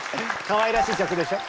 かわいらしい曲でしょ？